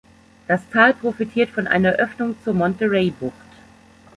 Das Tal profitiert von einer Öffnung zur Monterey Bucht.